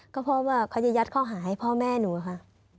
ก็เพราะว่าเขาจะยัดข้อหาให้พ่อแม่หนูค่ะ